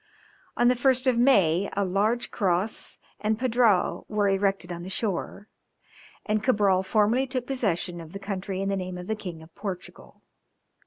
On the 1st of May a large cross and a padrao were erected on the shore, and Cabral formally took possession of the country in the name of the King of Portugal.